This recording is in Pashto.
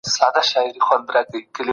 تخیل موږ ته نوې نړۍ راښيي.